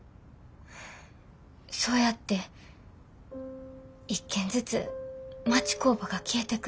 そうやって１軒ずつ町工場が消えてく。